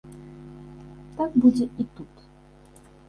Так будзе і тут.